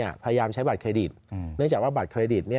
พยายามใช้บัตรเครดิตเนื่องจากว่าบัตรเครดิต